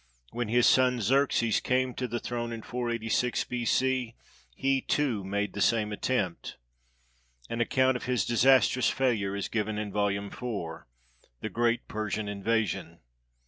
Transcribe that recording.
When his son Xerxes came to the throne in 486 B.C., he, too, made the same attempt. An account of his disastrous failure is given in volume iv, " The Great Persian Invasion."